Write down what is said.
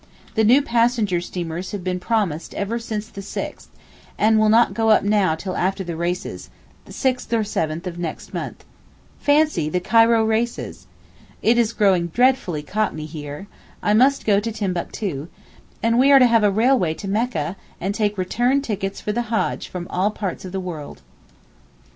The new passenger steamers have been promised ever since the 6th, and will not now go till after the races—6th or 7th of next month. Fancy the Cairo races! It is growing dreadfully Cockney here, I must go to Timbuctoo: and we are to have a railway to Mecca, and take return tickets for the Haj from all parts of the world.